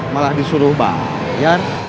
malah disuruh bayar